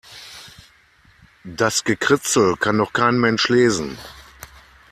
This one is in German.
Das Gekritzel kann doch kein Mensch lesen.